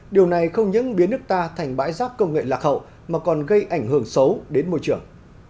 điều này không những biến nước ta thành bãi rác công nghệ lạc hậu mà còn gây ảnh hưởng xấu đến môi trường